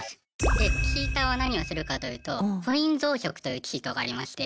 でチーターは何をするかというとコイン増殖というチートがありまして。